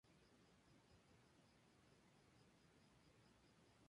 El episodio está basado en la serie de comics del mismo nombre.